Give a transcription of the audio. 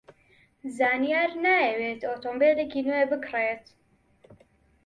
زانیار نایەوێت ئۆتۆمۆبیلێکی نوێ بکڕێت.